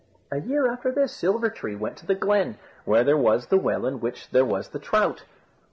A year after this Silver tree went to the glen, where there was the well in which there was the trout.